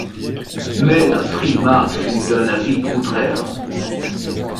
Mais la Frimat fut d’un avis contraire.